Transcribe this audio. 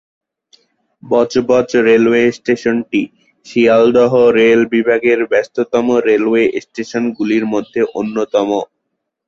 Budge Budge railway স্টেশনটি Sealdah rail বিভাগের ব্যস্ততম রেলওয়ে স্টেশনগুলির মধ্যে অন্যতম।